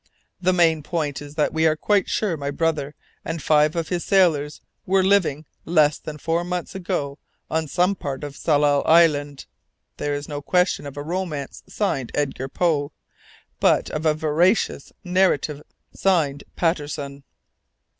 The main point is that we are quite sure my brother and five of his sailors were living less than four months ago on some part of Tsalal Island. There is now no question of a romance signed 'Edgar Poe,' but of a veracious narrative signed 'Patterson.'"